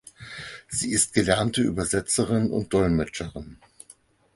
Sie ist gelernte Übersetzerin und Dolmetscherin.